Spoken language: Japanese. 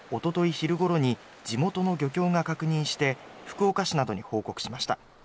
昼ごろに地元の漁協が確認して福岡市などに報告しました。